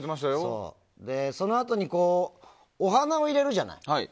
そのあとにお花を入れるじゃない。